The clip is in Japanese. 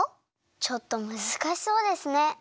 ちょっとむずかしそうですね。